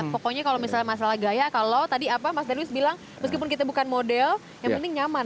pokoknya kalau misalnya masalah gaya kalau tadi apa mas darwis bilang meskipun kita bukan model yang penting nyaman